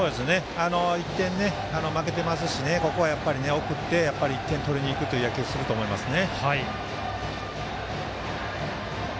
１点、負けていますしここは送って１点を取りにいく野球をすると思いますね。